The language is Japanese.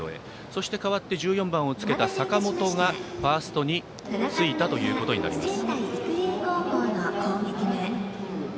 そして、代わって１４番をつけた坂本がファーストについたということになります。